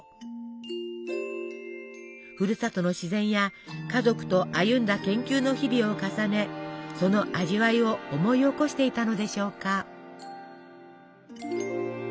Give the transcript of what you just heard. ふるさとの自然や家族と歩んだ研究の日々を重ねその味わいを思い起こしていたのでしょうか。